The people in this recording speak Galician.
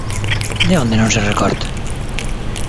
De onde non se recorta?